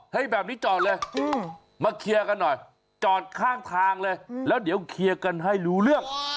ให้แบบนี้จอดเลยมาเคลียร์กันหน่อยจอดข้างทางเลยแล้วเดี๋ยวเคลียร์กันให้รู้เรื่อง